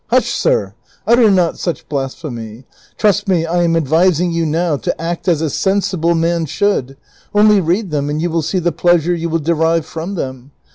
Hush, sir ; utter not such blasphemy ; trust me I am advising you now to act as a sensible man should ; only read them, and 3'ou will see the pleasure you will derive from them.